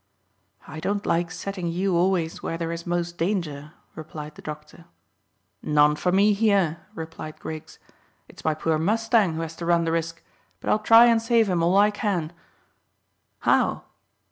"I don't like setting you always where there is most danger," replied the doctor. "None for me here," replied Griggs. "It's my poor mustang who has to run the risk; but I'll try and save him all I can." "How?"